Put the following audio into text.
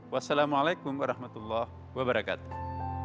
wassalamualaikum warahmatullah wabarakatuh